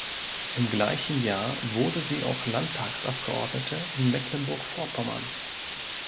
Im gleichen Jahr wurde sie auch Landtagsabgeordnete in Mecklenburg-Vorpommern.